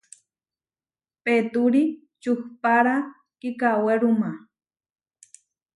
Petúri čuhpára kikawéruma.